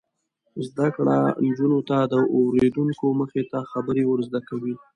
زده کړه نجونو ته د اوریدونکو مخې ته خبرې ور زده کوي.